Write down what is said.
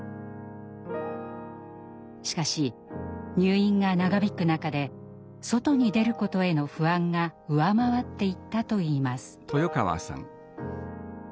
しかし入院が長引く中で外に出ることへの不安が上回っていったといいます。